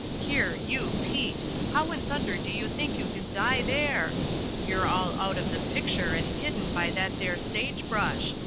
Here, you, Pete, how in thunder do you think you can die there? You're all out of the picture and hidden by that there sage brush.